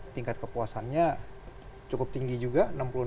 tingkat kepuasannya cukup tinggi juga